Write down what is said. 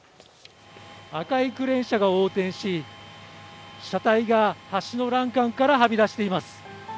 赤いクレーン車が横転し車体が橋の欄干からはみ出しています。